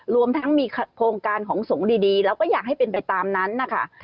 รวมทั้งมีโครงการของสงฆ์ดีแล้วก็อยากให้เป็นไปตามนั้นนะคะ